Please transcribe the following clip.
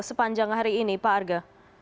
sepanjang hari ini pak arga